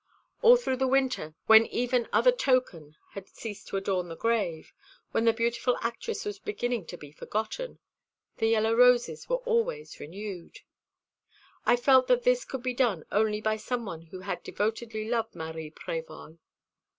All through the winter, when even other token had ceased to adorn the grave when the beautiful actress was beginning to be forgotten the yellow roses were always renewed. I felt that this could be done only by some one who had devotedly loved Marie Prévol.